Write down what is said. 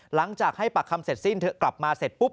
หลังจากให้ปากคำเสร็จสิ้นเธอกลับมาเสร็จปุ๊บ